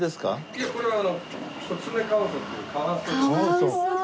いやこれはあのコツメカワウソっていうカワウソです。